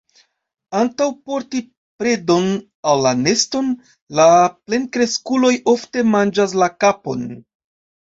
Antaŭ porti predon al la neston, la plenkreskuloj ofte manĝas la kapon.